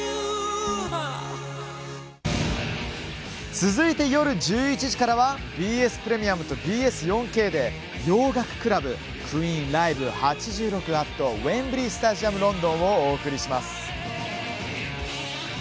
続いて夜１１時からはＢＳプレミアムとＢＳ４Ｋで「洋楽倶楽部クイーンライブ’８６ａｔウェンブリースタジアムロンドン」をお送りします。